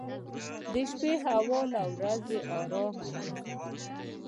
• د شپې هوا له ورځې ارام وي.